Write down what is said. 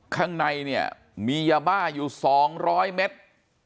ข้างในเนี่ยมียาบ้าอยู่สองร้อยเมตร